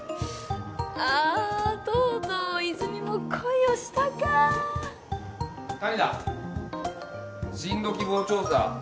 ああとうとう泉も恋をしたか谷田進路希望調査